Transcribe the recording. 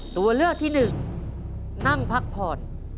ตัวเลือกที่หนึ่งนั่งพักผ่อน